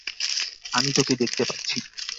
আমি তোকে দেখতে পাচ্ছি।